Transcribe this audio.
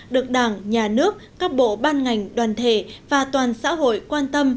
được đảng nhà nước các bộ ban ngành đoàn thể và toàn xã hội quan tâm